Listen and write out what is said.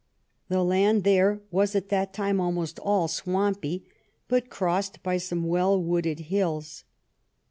The land there was at that time almost all swampy, but crossed by some well wooded hills.